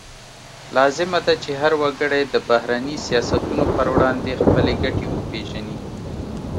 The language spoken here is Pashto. لازمه ده چې هر وګړی د بهرني سیاستونو پر وړاندې خپلې ګټې وپیژني